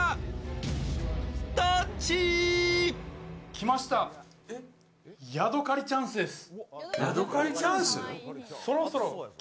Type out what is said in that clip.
きました、ヤドカリチャンスです。